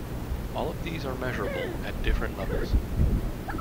All of these are measurable at different levels.